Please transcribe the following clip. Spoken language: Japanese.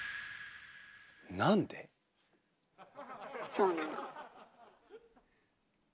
そうなの。